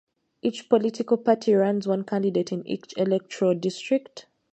Each political party runs one candidate in each electoral district.